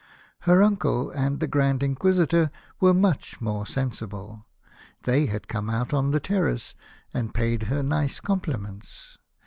Her uncle and the Grand Inquisitor were much more sensible. They had come out on the terrace, and paid her nice compli ments.